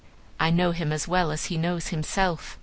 I know him as well as he knows himself.